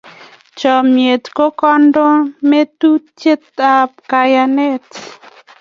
Chomnyet ko kondometutab kayanet.